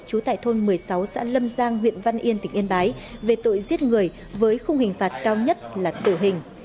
trú tại thôn một mươi sáu xã lâm giang huyện văn yên tỉnh yên bái về tội giết người với khung hình phạt cao nhất là tử hình